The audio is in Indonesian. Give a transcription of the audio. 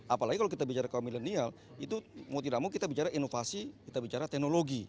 apalagi kalau kita bicara kaum milenial itu mau tidak mau kita bicara inovasi kita bicara teknologi